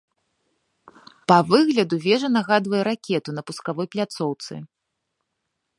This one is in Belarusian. Па выгляду вежа нагадвае ракету на пускавой пляцоўцы.